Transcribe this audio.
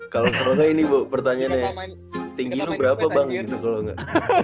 kalau terangnya ini bu pertanyaannya tinggi lu berapa bang gitu kalau nggak